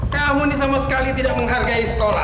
kamu ini sama sekali tidak menghargai sekolah